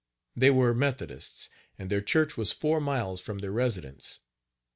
They were Methodists, and their church was four miles from their residence.